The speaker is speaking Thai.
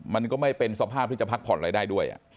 มันก็ไม่เป็นสภาพที่จะพักผ่อนอะไรได้ด้วย